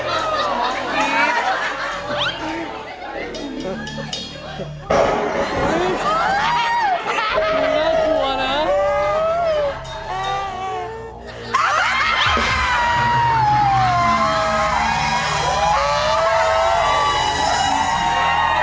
เป็นเรื่องราวของแม่นาคกับพี่ม่าครับ